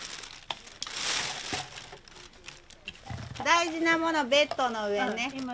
大事なものベッドの上ね。